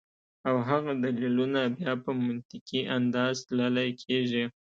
او هغه دليلونه بیا پۀ منطقي انداز تللے کيږي